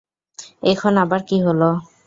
এখন আবার কি হল?